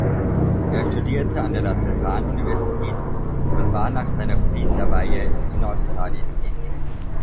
Er studierte an der Lateran-Universität und war nach seiner Priesterweihe in Norditalien tätig.